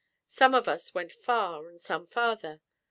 Some of us went far, and some farther.